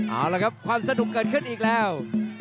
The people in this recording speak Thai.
เอาละครับความสนุกเกิดขึ้นอีกแล้ว